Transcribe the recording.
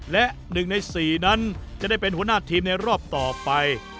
และ๑ใน๔นั้นจะได้เป็นหัวหน้าทีมในรอบต่อไป